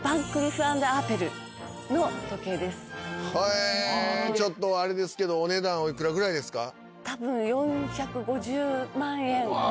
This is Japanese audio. へぇちょっとあれですけどお値段お幾らぐらいですか？